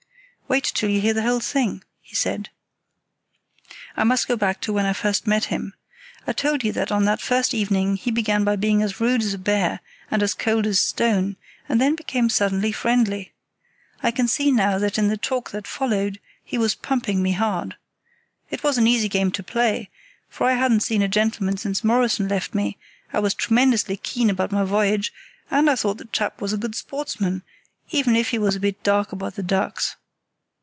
"Wait till you hear the whole thing," he said. "I must go back to when I first met him. I told you that on that first evening he began by being as rude as a bear and as cold as stone, and then became suddenly friendly. I can see now that in the talk that followed he was pumping me hard. It was an easy game to play, for I hadn't seen a gentleman since Morrison left me, I was tremendously keen about my voyage, and I thought the chap was a good sportsman, even if he was a bit dark about the ducks.